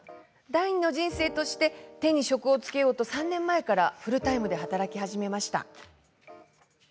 第二の人生として手に職をつけようと３年前からフルタイムで働き始めました。